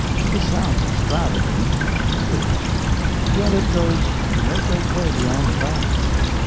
This sounds extravagant and is; yet it goes no great way beyond the facts.